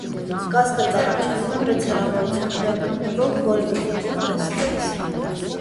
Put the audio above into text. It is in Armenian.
Կասկած առաջանում է մեծ հեռավորության վրա գտնվող որևէ ֆիգուր տեսնելիս։